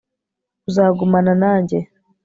uzagumana nanjye